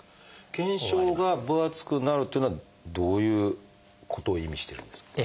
腱鞘が分厚くなるっていうのはどういうことを意味してるんですか？